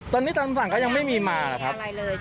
ตอนนี้คำสั่งก็ยังไม่มีมาครับ